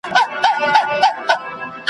زموږ به نغري وي تش له اورونو `